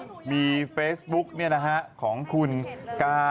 เดี๋ยวพี่จะไปทำกับคนอื่นมา